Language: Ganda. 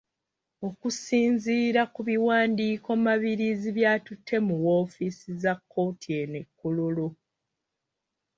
Okusinziira ku biwandiiko Mabirizi byatutte mu woofiisi za kkooti eno e Kololo.